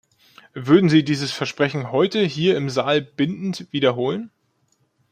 Würden Sie dieses Versprechen heute hier im Saal bindend wiederholen?